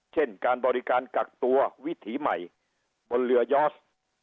เช่นการบริการกักตัววิถีใหม่บนเรือยอส